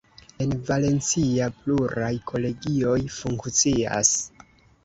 En Valencia pluraj kolegioj funkcias.